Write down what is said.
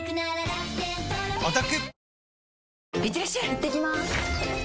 いってきます！